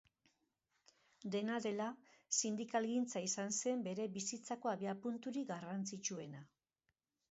Dena dela, sindikalgintza izan zen bere bizitzako abiapunturik garrantzitsuena.